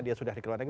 dia sudah dikeluarkan